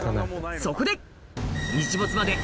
そこで！